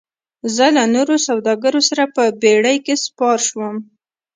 زه له نورو سوداګرو سره په بیړۍ کې سپار شوم.